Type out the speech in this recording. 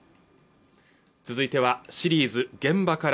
続いてはシリーズ「現場から」